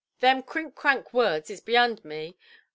"Them crink–crank words is beyand me.